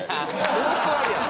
オーストラリアの。